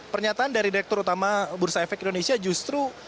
pernyataan dari direktur utama bursa efek indonesia justru